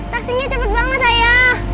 taksinya cepet banget ayah